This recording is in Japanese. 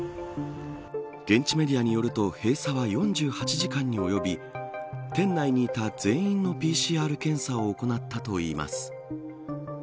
現地メディアによると閉鎖は４８時間に及び店内にいた全員のＰＣＲ検査を行ったといいます。